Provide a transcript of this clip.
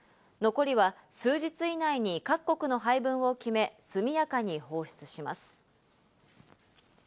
残りは数日以内に各国の配分を決め、速やかに放出します。